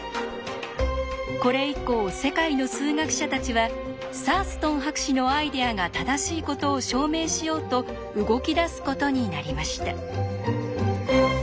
これ以降世界の数学者たちはサーストン博士のアイデアが正しいことを証明しようと動き出すことになりました。